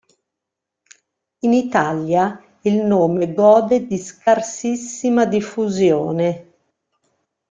In Italia il nome gode di scarsissima diffusione.